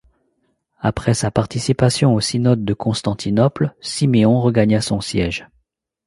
Après sa participation au synode de Constantinople, Syméon regagna son siège.